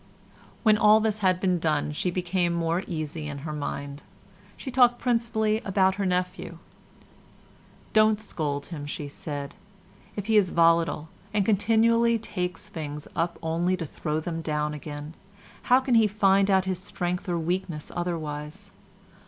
When all this had been done she became more easy in her mind. She talked principally about her nephew. "Don't scold him," she said, "if he is volatile, and continually takes things up only to throw them down again. How can he find out his strength or weakness otherwise?